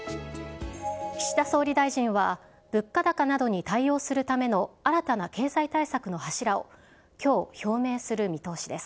岸田総理大臣は物価高などに対応するための新たな経済対策の柱を、きょう、表明する見通しです。